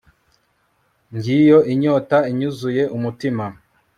ngiyo inyota inyuzuye umutima